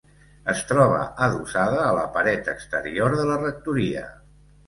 Es troba adossada a la paret exterior de la rectoria.